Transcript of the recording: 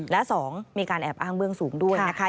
และ๒มีการแอบอ้างเบื้องสูงด้วยนะคะ